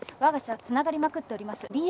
わが社はつながりまくっております。